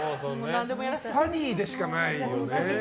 ファニーでしかないよね。